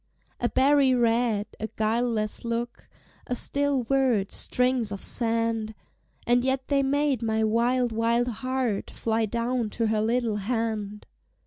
A berry red, a guileless look, A still word, strings of sand! And yet they made my wild, wild heart Fly down to her little hand.